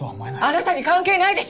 あなたに関係ないでしょ！